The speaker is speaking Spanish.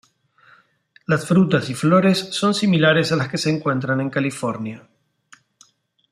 Las frutas y flores son similares a las que se encuentran en California.